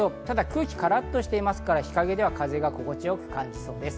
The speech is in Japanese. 空気がカラッとしていますから、日陰では風が気持ちよく感じそうです。